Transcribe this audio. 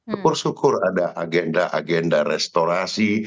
kepur sukur ada agenda agenda restorasi